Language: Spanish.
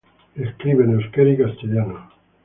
Escribe en euskera y castellano.